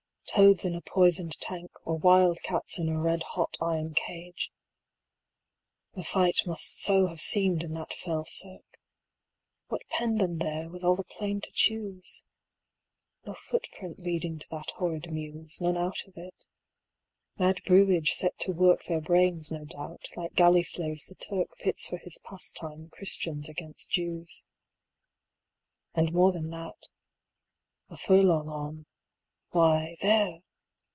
Toads in a poisoned tank, Or wild cats in a red hot iron cage The fight must so have seemed in that fell cirque. What penned them there, with all the plain to choose? No footprint leading to that horrid mews, 135 None out of it. Mad brewage set to work Their brains, no doubt, like galley slaves the Turk Pits for his pastime, Christians against Jews. And more than that a furlong on why, there!